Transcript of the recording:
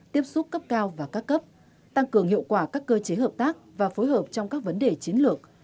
tiếp xúc cấp cao và các cấp tăng cường hiệu quả các cơ chế hợp tác và phối hợp trong các vấn đề chiến lược